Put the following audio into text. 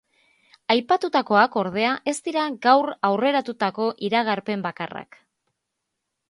Aipatutakoak, ordea, ez dira gaur aurreratutako iragarpen bakarrak.